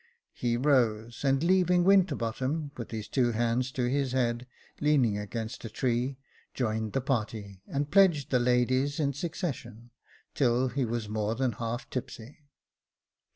He rose, and leaving Winterbottom, with his two hands to his head, leaning against a tree, joined the party, and pledged the ladies in succession, till he was more than half tipsy.